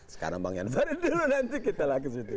sekarang bang jan farid dulu nanti kita lagi ke situ